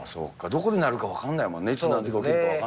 どこでなるか分かんないもんね。